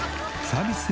サービス